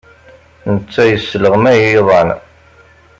Netta yesleɣmay iḍan.